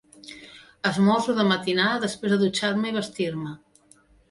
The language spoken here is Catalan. Esmorzo de matinada, després de dutxar-me i vestir-me.